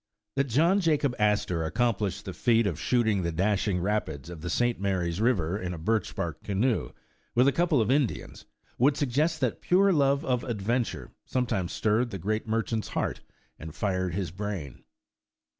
That John Jacob Astor accomplished the feat of shooting the dashing rapids of the St. Mary's River in a birch bark canoe, w^ith a couple of Indians, would suggest that pure love of adventure sometimes stirred the great merchant's heart, and fired his brain.